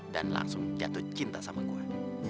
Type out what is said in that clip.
dan langsung jatuh cinta sama gue